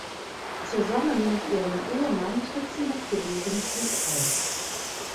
Zusammen mit ihrem Ehemann tritt sie noch gelegentlich auf.